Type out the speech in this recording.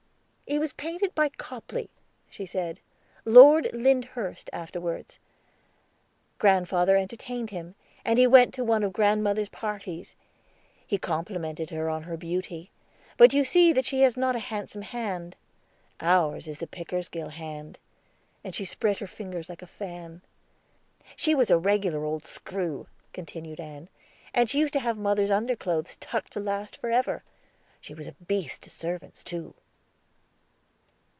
"It was painted by Copley," she said, "Lord Lyndhurst afterwards. Grandfather entertained him, and he went to one of grandmother's parties; he complimented her on her beauty. But you see that she has not a handsome hand. Ours is the Pickersgill hand," and she spread her fingers like a fan. "She was a regular old screw," continued Ann, "and used to have mother's underclothes tucked to last for ever; she was a beast to servants, too."